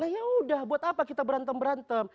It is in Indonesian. nah yaudah buat apa kita berantem berantem